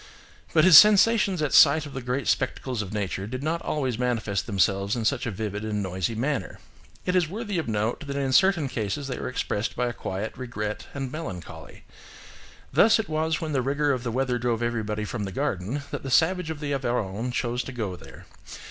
"But his sensations at sight of the great spectacles of nature did not always manifest themselves in such a vivid and noisy manner. It is worthy of note that in certain cases they were expressed by a quiet regret and melancholy. Thus, it was when the rigour of the weather drove everybody from the garden that the savage of the Aveyron chose to go there.